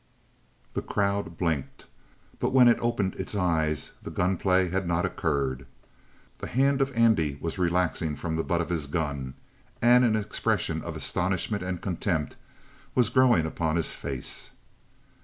The crowd blinked; but when it opened its eyes the gunplay had not occurred. The hand of Andy was relaxing from the butt of his gun and an expression of astonishment and contempt was growing upon his face.